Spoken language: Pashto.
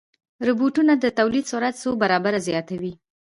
روبوټونه د تولید سرعت څو برابره زیاتوي.